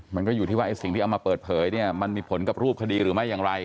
มันก็อยู่ที่ว่าไอ้สิ่งที่เอามาเปิดเผยเนี่ยมันมีผลกับรูปคดีหรือไม่อย่างไร